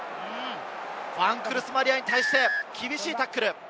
フアン・クルス・マリアに対して厳しいタックル。